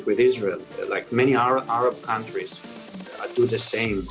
seperti banyak negara arab yang melakukan hal yang sama